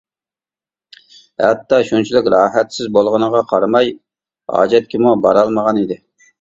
ھەتتا شۇنچىلىك راھەتسىز بولغىنىغا قارىماي ھاجەتكىمۇ بارالمىغان ئىدى.